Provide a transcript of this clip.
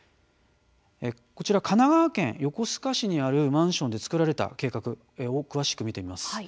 こちらは神奈川県横須賀市にあるマンションで作られた計画を詳しく見てみます。